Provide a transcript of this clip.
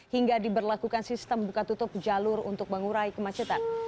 hingga diberlakukan sistem buka tutup jalur untuk mengurai kemacetan